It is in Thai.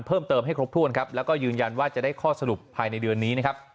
เพิ่มเติมให้ครบถ้วนครับแล้วก็ยืนยันว่าจะได้ข้อสรุปภายในเดือนนี้นะครับ